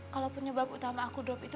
kalau penyebab utama aku drop itu